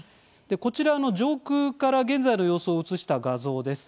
こちらの上空から現在の様子を映した画像です。